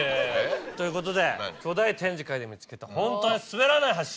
ということで巨大展示会で見つけたほんとうにすべらないお箸。